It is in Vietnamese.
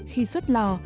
khi xuất lò